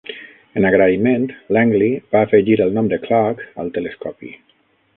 En agraïment, Langley va afegir el nom de Clark al telescopi.